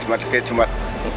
jumat kayak jumat